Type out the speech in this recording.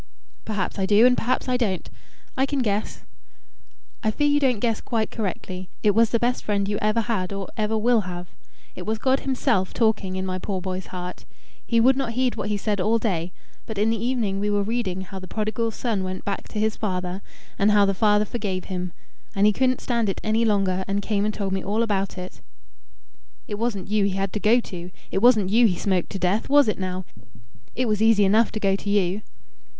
"Perhaps I do, and perhaps I don't. I can guess." "I fear you don't guess quite correctly. It was the best friend you ever had or ever will have. It was God himself talking in my poor boy's heart. He would not heed what he said all day, but in the evening we were reading how the prodigal son went back to his father, and how the father forgave him; and he couldn't stand it any longer, and came and told me all about it." "It wasn't you he had to go to. It wasn't you he smoked to death was it now? It was easy enough to go to you."